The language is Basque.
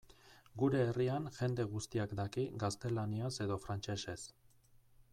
Gure herrian jende guztiak daki gaztelaniaz edo frantsesez.